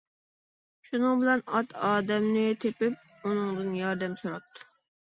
شۇنىڭ بىلەن ئات ئادەمنى تېپىپ ئۇنىڭدىن ياردەم سوراپتۇ.